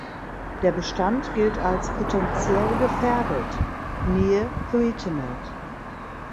Der Bestand gilt als potentiell gefährdet ("Near Threatened").